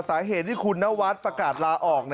สาเหตุที่คุณนวัดประกาศลาออก